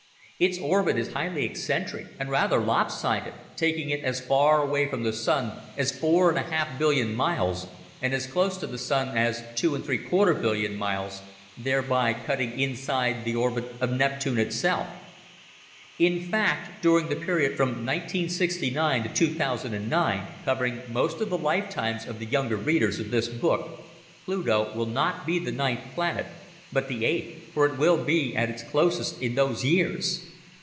Its orbit is highly eccentric and rather lopsided, taking it as far away from the Sun as four and a half billion miles and as close to the Sun as two and three quarter billion miles, thereby cutting inside the orbit of Neptune itself. In fact, during the period from 1969 to 2009 (covering most of the lifetimes of the younger readers of this book) Pluto will not be the ninth planet, but the eighth, for it will be at its closest in those years.